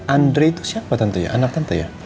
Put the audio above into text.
andre itu siapa tentunya anak tante ya